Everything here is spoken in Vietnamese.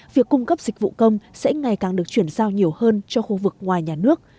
việc cung cấp dịch vụ công sẽ ngày càng được chuyển giao nhiều hơn cho khu vực ngoài nhà nước